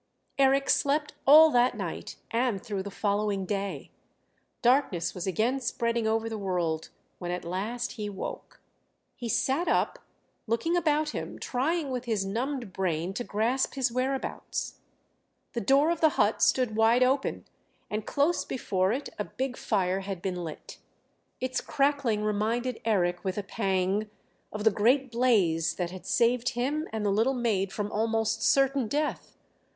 Eric slept all that night and through the following day; darkness was again spreading over the world when at last he woke. He sat up, looking about him, trying with his numbed brain to grasp his whereabouts. The door of the hut stood wide open and close before it a big fire had been lit. Its crackling reminded Eric, with a pang, of the great blaze that had saved him and the little maid from almost certain death.